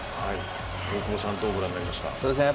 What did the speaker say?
大久保さんはどうご覧になりましたか？